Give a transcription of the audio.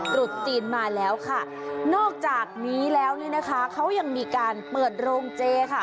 ตรุษจีนมาแล้วค่ะนอกจากนี้แล้วนี่นะคะเขายังมีการเปิดโรงเจค่ะ